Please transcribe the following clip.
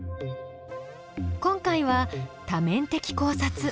今回は「多面的考察」。